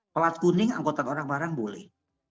pelat kuning angkutan orang barang barang boleh